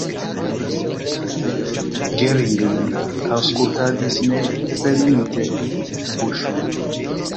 Gering lin aŭskultadis ne ferminte la buŝon.